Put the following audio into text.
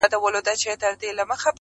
د هر چا چي وي په لاس کي تېره توره٫